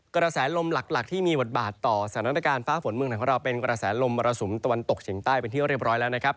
กระแสลมหลักที่มีบทบาทต่อสถานการณ์ฟ้าฝนเมืองไหนของเราเป็นกระแสลมมรสุมตะวันตกเฉียงใต้เป็นที่เรียบร้อยแล้วนะครับ